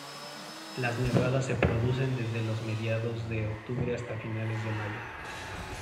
Las nevadas se producen desde los mediados de octubre hasta finales de mayo.